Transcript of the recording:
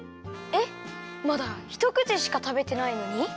えっまだひとくちしかたべてないのに？